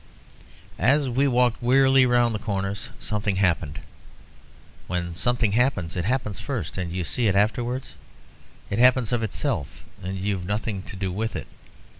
"As we walked wearily round the corners, something happened. When something happens, it happens first, and you see it afterwards. It happens of itself, and you have nothing to do with it.